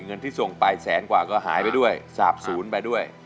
เงินที่ส่งไปแสนกว่าก็หายไปด้วยสาบศูนย์ไปด้วย